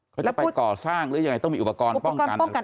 เขาจะไปก่อสร้างหรือยังไงต้องมีอุปกรณ์ป้องกันอะไร